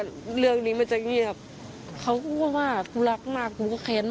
แค่หนูรักแชมป์รักแม่ก็รักตามแชมป์